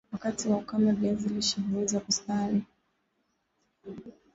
Wakati wa ukame viazi lishe huweza kustawi